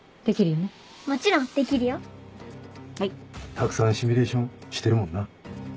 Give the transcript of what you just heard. たくさんシミュレーションしてるもんな。